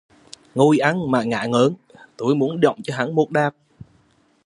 Ngồi ăn mà ngả ngớn, tui muốn dộng cho hắn một đạp